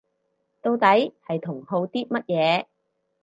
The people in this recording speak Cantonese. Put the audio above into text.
到底係同好啲乜嘢